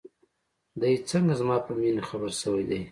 دى څنگه زما په مينې خبر سوى دى.